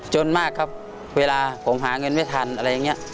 มากครับเวลาผมหาเงินไม่ทันอะไรอย่างนี้